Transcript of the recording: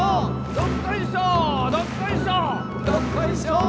どっこいしょー